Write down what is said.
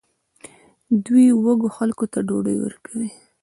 دوی وږو خلکو ته ډوډۍ ورکوي.